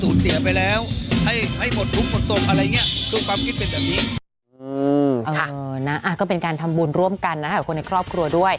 ก็เป็นการทำบุญร่วมกันนะคะกับคนในครอบครัวด้วย